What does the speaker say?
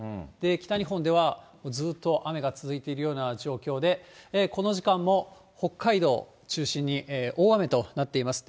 北日本ではずっと雨が続いているような状況で、この時間も北海道を中心に大雨となっています。